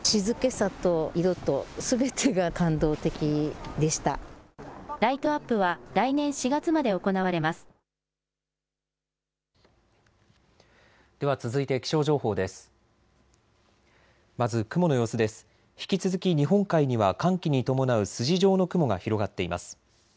引き続き日本海には寒気に伴う筋状の雲が広がっています。